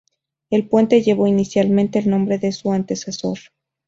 El puente llevó inicialmente el nombre de su antecesor.